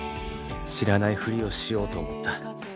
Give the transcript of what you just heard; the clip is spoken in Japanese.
知らないふりをしようと思った。